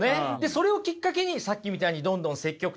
それをきっかけにさっきみたいにどんどんなるほど。